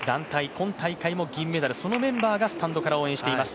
今大会も銀メダルそのメンバーもスタンドから応援しています。